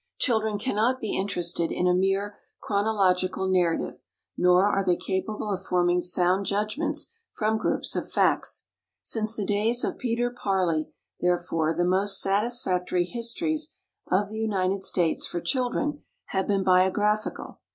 Children cannot be interested in a mere chronological narrative, nor are they capable of forming sound judgments from groups of facts. Since the days of "Peter Parley," therefore, the most satisfactory histories of the United States for children have been biographical.